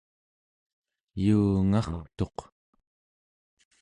yuunga'rtuq